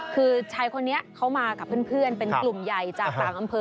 คือชายคนนี้เขามากับเพื่อนเป็นกลุ่มใหญ่จากต่างอำเภอ